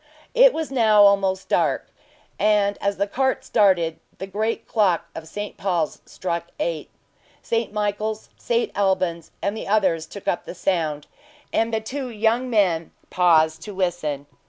It was now almost dark, and as the cart started, the great clock of St. Paul's struck eight. St. Michael's, St Alban's, and the others took up the sound; and the two young men paused to listen.